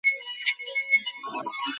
সকালে দেখা হবে স্যার।